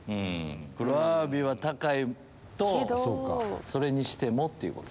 黒アワビは高いけどそれにしてもっていうこと？